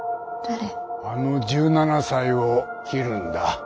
あの１７才を切るんだ。